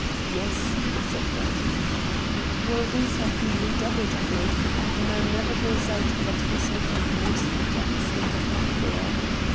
"Yes," said Brett. "Well, these have been redoubled of late, and the man never goes out that he is not in the most abject state of fear.